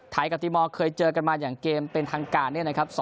กับตีมอลเคยเจอกันมาอย่างเกมเป็นทางการเนี่ยนะครับ